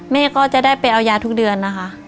แม่ก็จะได้ไปเอายาทุกเดือนนะคะ